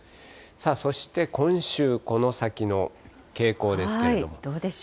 そして今週この先の傾向ですけれども。